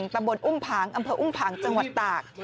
ตำบลอุ้มผางอำเภออุ้มผังจังหวัดตาก